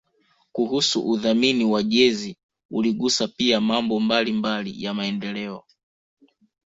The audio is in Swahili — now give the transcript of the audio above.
kuhusu udhamini wa jezi uligusa pia mambo mbalimbali ya maendeleo